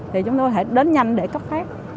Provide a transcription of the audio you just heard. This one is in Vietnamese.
thì chúng tôi có thể đến nhanh để cấp phát